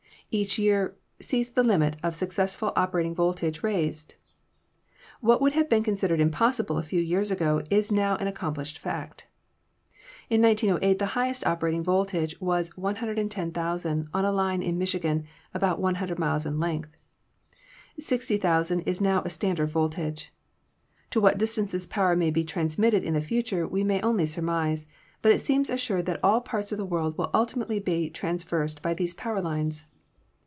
Each year sees the limit of successful operating voltage raised. What would have been considered impossible a few years ago is now an accomplished fact. In 1908 the highest operating voltage was 110,000 on a line in Michi gan about 100 miles in length ; 60,000 is now a standard voltage. To what distances power may be transmitted in the future we may only surmise, but it seems assured that all parts of the world will ultimately be traversed by these power lines.